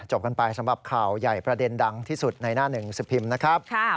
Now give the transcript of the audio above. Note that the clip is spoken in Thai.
กันไปสำหรับข่าวใหญ่ประเด็นดังที่สุดในหน้าหนึ่งสิบพิมพ์นะครับ